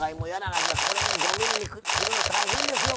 これね５ｍｍに切るの大変ですよ。